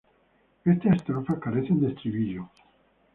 Estas estrofas carecen de estribillo.